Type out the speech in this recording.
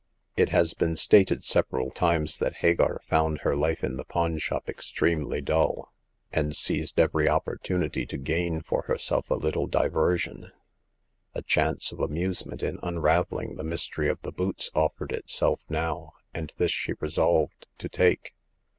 It has been stated several times that Hagar found her life in the pawn shop extremely dull, and seized every opportunity to gain for herself a little diversion. A chance of amusement in unraveling the mystery of the boots offered itself now ; and this she resolved to take.